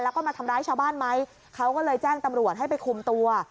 แล้วก็มาทำร้ายชาวบ้านไหมเขาก็เลยแจ้งตำรวจให้ไปคุมตัว